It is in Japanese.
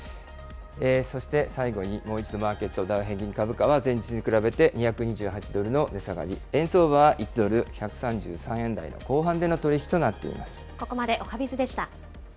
そして最後にもう一度マーケット、ダウ平均株価は前日に比べて２２８ドルの値下がり、円相場は１ドル１３３円台の後半での取り引きとなっています。